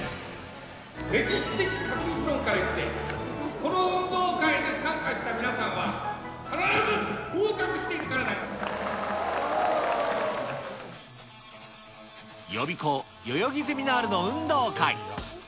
歴史的確率論から言って、この運動会に参加した皆さんは、予備校、代々木ゼミナールの運動会。